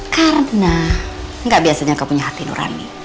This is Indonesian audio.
karena gak biasanya kau punya hati nurani